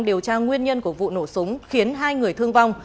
điều tra nguyên nhân của vụ nổ súng khiến hai người thương vong